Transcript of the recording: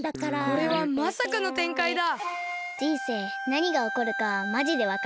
これはまさかのてんかいだ。